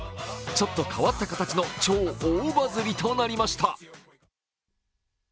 ちょっと変わった形の超大バズりとなりました。